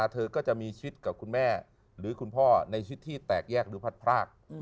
เธอก็จะมีชิดกับคุณแม่หรือคุณพ่อในชีวิตที่แตกแยกหรือพัดพราก